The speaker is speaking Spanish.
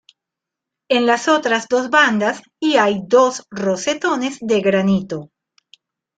En las otras dos bandas y hay dos rosetones de granito.